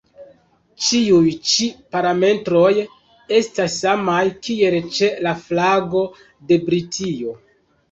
Ĉiuj ĉi parametroj estas samaj, kiel ĉe la flago de Britio.